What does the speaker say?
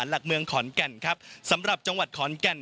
หลักเมืองขอนแก่นครับสำหรับจังหวัดขอนแก่น